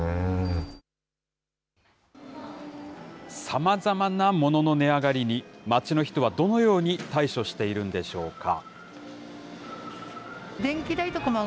さまざまなモノの値上がりに、街の人はどのように対処しているんでしょうか。